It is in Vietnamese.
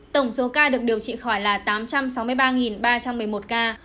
tổng số ca được điều trị khỏi là tám trăm sáu mươi ba ba trăm một mươi một ca